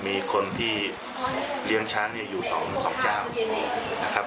มีคนที่เลี้ยงช้างเนี่ยอยู่สองเจ้านะครับ